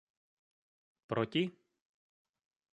Proti?